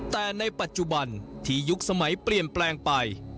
แต่ในปัจจุบันที่ยุคสมัยเปลี่ยนแปลงไป